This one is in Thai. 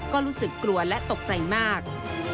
ก็รู้สึกกลัวและตกใจมาก